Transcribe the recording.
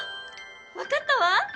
わかったわ！